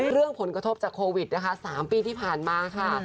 เรื่องผลกระทบจากโควิดนะคะ๓ปีที่ผ่านมาค่ะ